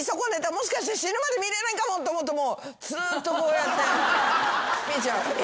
もしかして死ぬまで見れないかもと思うとずっとこうやって見ちゃう。